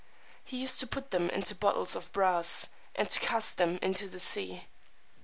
He used to put them into bottles of brass, and to cast them into the sea.